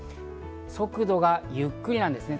速度がゆっくりなんですね。